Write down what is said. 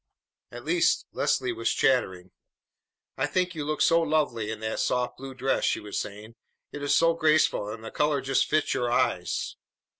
At least, Leslie was chattering. "I think you look so lovely in that soft blue dress!" she was saying. "It is so graceful, and the color just fits your eyes."